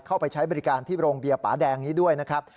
เข้าไปใช้บริการที่โรงเบียร์ป่าแดงนี้ด้วยนะครับ